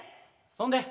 そんで？